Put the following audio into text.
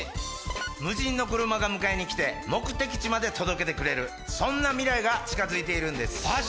無人の車が迎えに来て目的地まで届けてくれるそんな未来が近づいているんですマジ